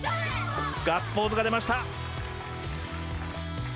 ガッツポーズが出ました。